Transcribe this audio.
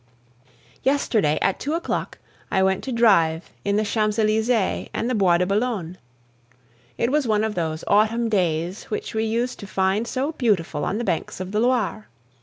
Yesterday, at two o'clock, I went to drive in the Champs Elysees and the Bois de Boulogne. It was one of those autumn days which we used to find so beautiful on the banks of the Loire.